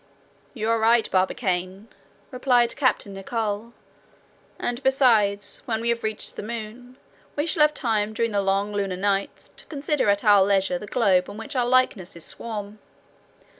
"You are right, Barbicane," replied Captain Nicholl; "and, besides, when we have reached the moon, we shall have time during the long lunar nights to consider at our leisure the globe on which our likenesses swarm."